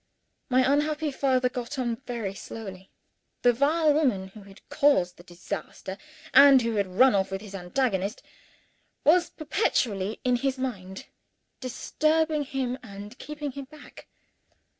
My unhappy father got on very slowly. The vile woman who had caused the disaster (and who had run off with his antagonist) was perpetually in his mind; disturbing him and keeping him back.